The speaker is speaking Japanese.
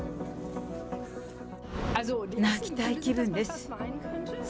泣きたい気分です。